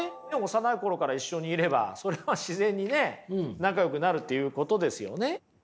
幼い頃から一緒にいればそれは自然にね仲よくなるっていうことですよね。